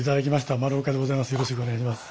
丸岡でございます